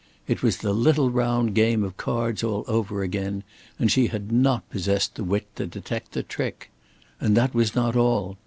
It was the little round game of cards all over again; and she had not possessed the wit to detect the trick! And that was not all.